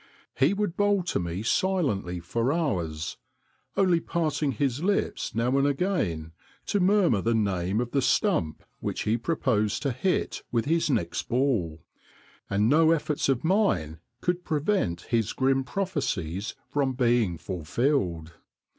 He would bowl to me silently for hours, only parting his lips now and again to murmur the name of the stump which he proposed to hit with his next ball, and no efforts of mine could prevent his grim prophecies from being fulfilled.